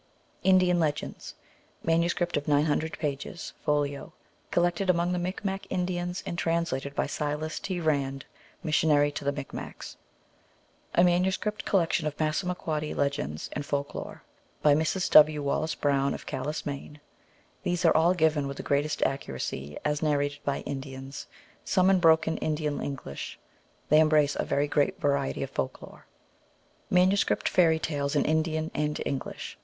Indian Legends. (Manuscript of 900 pp. folio.) Collected among the Micmac Indians, and translated by Silas T. Rand, Missionary to the Micmacs. A Manuscript Collection of Passamaquoddy Legends and Folk Lore. By Mrs. W. Wallace Brown, of Calais, Maine. These are all given with the greatest accuracy as narrated by Indians, some in broken Indian English. They embrace a very great variety of folk lore. Manuscript Fairy Tales in Indian and English.